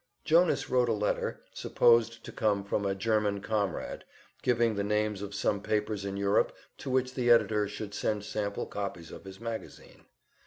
Jonas wrote a letter, supposed to come from a German "comrade," giving the names of some papers in Europe to which the editor should send sample copies of his magazine.